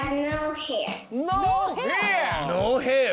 ノーヘア！